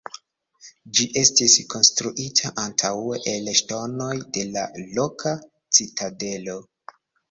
Ĝi estis konstruita antaŭe el ŝtonoj de la loka citadelo.